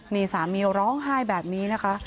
นี่สามีร้องไห้แบบนี้นะคะ